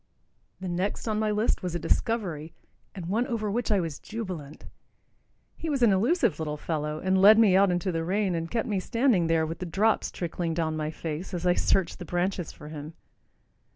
The next on my list was a discovery, and one over which I was jubilant. He was an elusive little fellow, and led me out into the rain and kept me standing there with the drops trickling down my face as I searched the branches for him.